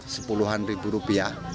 sepuluhan ribu rupiah